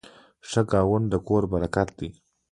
ښه ګاونډ د کور برکت دی.